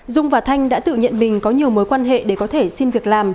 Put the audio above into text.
dung và thanh đã tự nhận bình có nhiều mối quan hệ để có thể xin việc làm